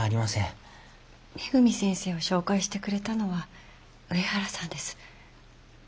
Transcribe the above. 恵先生を紹介してくれたのは上原さんです。